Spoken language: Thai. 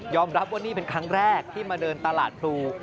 รับว่านี่เป็นครั้งแรกที่มาเดินตลาดพลู